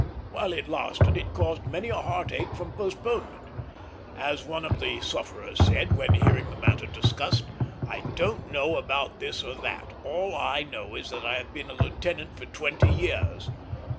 While it lasted it caused many a heartache from postponement. As one of the sufferers said, when hearing the matter discussed, "I don't know about this or that. All I know is that I have been a lieutenant for twenty years."